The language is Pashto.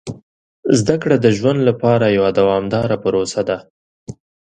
زده کړه د ژوند لپاره یوه دوامداره پروسه ده.